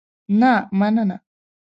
نه مننه.